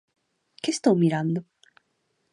Que estou mirando?